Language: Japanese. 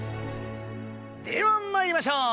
ではまいりましょう。